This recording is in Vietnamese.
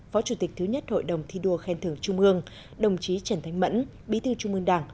phó chủ tịch thứ nhất hội đồng thi đua khen thưởng trung ương đồng chí trần thanh mẫn bí thư trung mương đảng